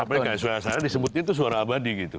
apalagi kayak saya disebutnya itu suara abadi gitu